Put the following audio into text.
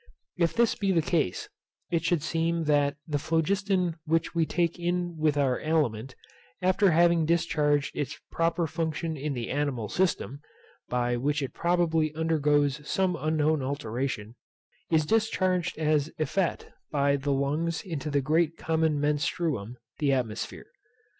If this be the case, it should seem that the phlogiston which we take in with our aliment, after having discharged its proper function in the animal system (by which it probably undergoes some unknown alteration) is discharged as effete by the lungs into the great common menstruum, the atmosphere.